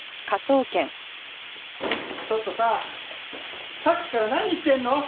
ちょっとささっきから何してんの？